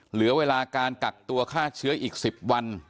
เหลือเวลาการกักตัวฆ่าเชื้ออีก๑๐วัน